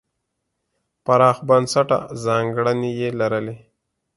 پراخ بنسټه ځانګړنې یې لرلې.